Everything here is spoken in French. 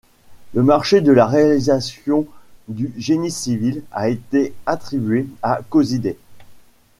Le marché de la réalisation du génie civil a été attribué à Cosider.